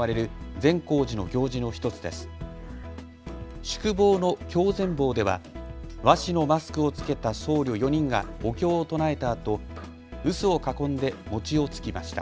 善坊では和紙のマスクを着けた僧侶４人がお経を唱えたあと臼を囲んで餅をつきました。